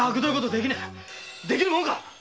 できるもんか！